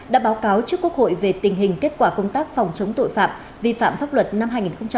đã báo cáo trước quốc hội về tình hình kết quả công tác phòng chống tội phạm vi phạm pháp luật năm hai nghìn một mươi chín